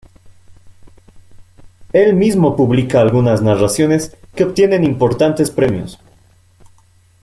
Él mismo publica algunas narraciones, que obtienen importantes premios.